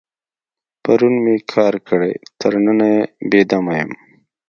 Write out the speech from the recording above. پرون مې کار کړی، تر ننه بې دمه یم.